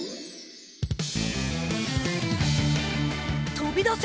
とびだせ！